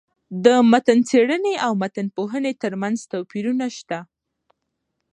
د متن څېړني او متن پوهني ترمنځ توپيرونه سته.